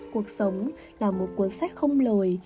cuộc sống là một cuốn sách không lời